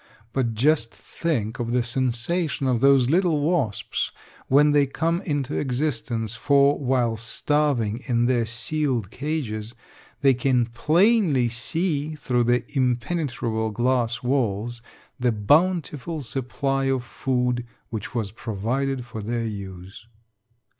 But just think of the sensations of those little wasps when they come into existence, for, while starving in their sealed cages, they can plainly see, through the impenetrable glass walls, the bountiful supply of food which was provided for their use."